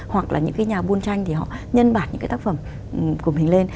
hoặc là những cái nhà buôn tranh thì họ nhân bản những cái tác phẩm của mình lên